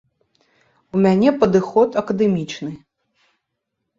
У мяне падыход акадэмічны.